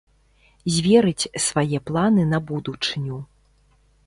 Зверыць свае планы на будучыню.